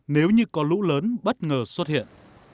nếu như có lũ lớn bất ngờ xuất hiện